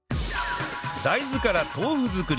大豆から豆腐作り